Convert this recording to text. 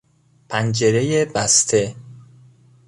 پنجرهی بسته